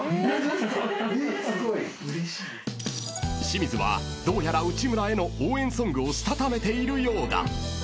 ［清水はどうやら内村への応援ソングをしたためているようだ］